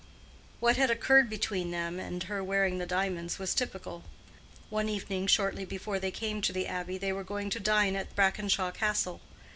What had occurred between them and her wearing the diamonds was typical. One evening, shortly before they came to the Abbey, they were going to dine at Brackenshaw Castle.